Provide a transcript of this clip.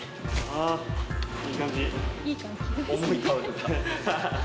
あー、いい感じ。